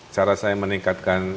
cara saya meningkatkan